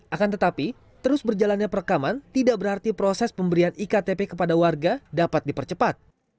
akan tetapi terus berjalannya perekaman tidak berarti proses pemberian iktp kepada warga dapat dipercepat